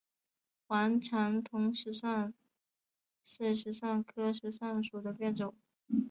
黄长筒石蒜是石蒜科石蒜属的变种。